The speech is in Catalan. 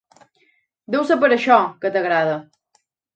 Deu ser per això, que t'agrada.